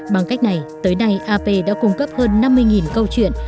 bằng cách này tới nay ap đã cung cấp hơn năm mươi câu chuyện